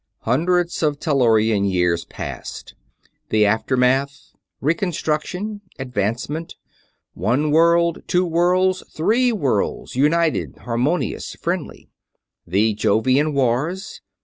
_" _Hundreds of Tellurian years passed. The aftermath. Reconstruction. Advancement. One world two worlds three worlds united, harmonious, friendly. The Jovian Wars.